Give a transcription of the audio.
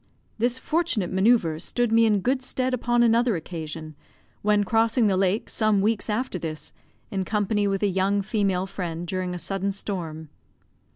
This fortunate manoeuvre stood me in good stead upon another occasion, when crossing the lake, some weeks after this, in company with a young female friend, during a sudden storm.